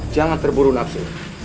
jangan terburu nafsu